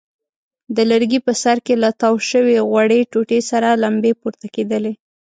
د لرګي په سر کې له تاو شوې غوړې ټوټې سرې لمبې پورته کېدلې.